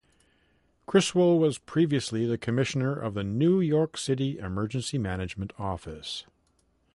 Criswell was previously the commissioner of the New York City Emergency Management Office.